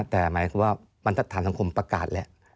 แต่หมายความว่าบรรทัศนสังคมประกาศแหละ